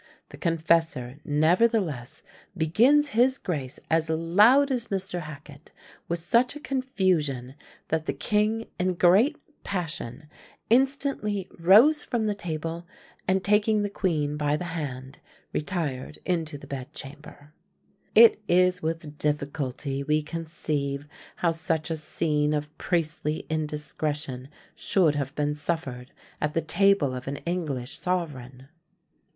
The confessor, nevertheless, begins his grace as loud as Mr. Hacket, with such a confusion, that the king in great passion instantly rose from the table, and, taking the queen by the hand, retired into the bedchamber." It is with difficulty we conceive how such a scene of priestly indiscretion should have been suffered at the table of an English sovereign.